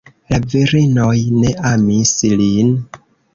La virinoj ne amis lin.